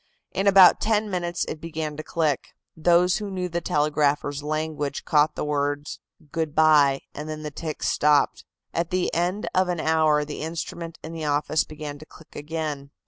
In about ten minutes it began to click. Those who knew the telegraphers' language caught the word "Good bye," and then the ticks stopped. At the end of an hour the instrument in the office began to click again.